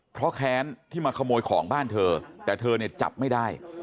เพราะแค้นที่มาขโมยของบ้านเธอแต่เธอเนี่ยจับไม่ได้